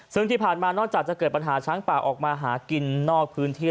ซึ่งที่ผ่านมานอกจากจะเกิดปัญหาช้างป่าออกมาหากินนอกพื้นที่